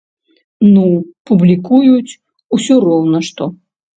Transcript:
Ну, публікуюць, усё роўна што.